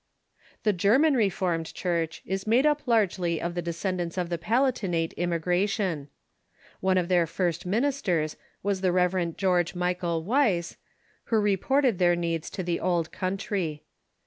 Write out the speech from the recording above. The German Reformed Church is made up largely of the descendants of the Palatinate immigration. One of their first ministers was the Rev. George Michael Weiss, Re/omed cTu"ch ^^''^ ''q orted their needs to the old country.